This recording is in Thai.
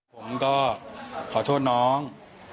ผมก็ขอโทษน้อง